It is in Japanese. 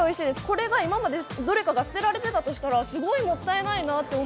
これが今までどれかが捨てられていたとしたら、もったいないなって。